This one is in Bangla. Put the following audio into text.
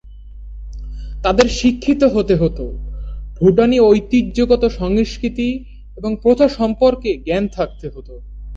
তাদের শিক্ষিত হতে হোত, ভুটানি ঐতিহ্যগত সংস্কৃতি এবং প্রথা সম্পর্কে জ্ঞান থাকতে হোত।